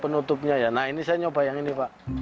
penutupnya ya nah ini saya nyoba yang ini pak